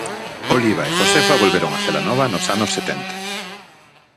Oliva e Josefa volveron a Celanova nos anos setenta.